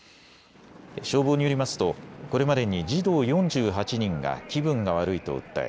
消防によりますと、これまでに児童４８人が気分が悪いと訴え